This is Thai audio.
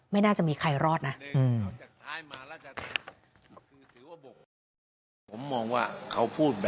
ไม่น่าจะมีใครรอดนะ